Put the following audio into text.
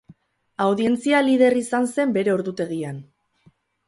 Audientzia lider izan zen bere ordutegian.